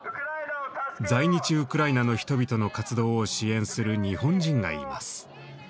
在日ウクライナの人々の活動を支援する日本人がいます。